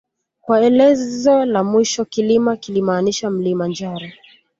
Kwa elezo la mwisho Kilima kilimaanisha mlima njaro